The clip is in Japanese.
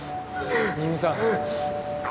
新見さん！